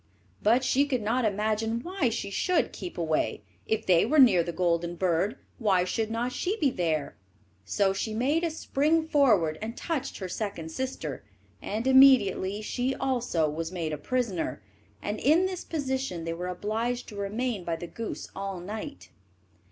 But she could not imagine why she should keep away. If they were near the golden bird, why should not she be there? So she made a spring forward and touched her second sister, and immediately she also was made a prisoner, and in this position they were obliged to remain by the goose all night.